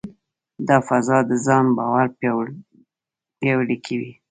دا فضا د ځان باور پیاوړې کوي.